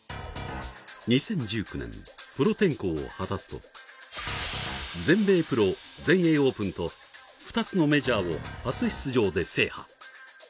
２０１９年、プロ転向を果たすと全米プロ、全英オープンと２つのメジャーを初出場で制覇。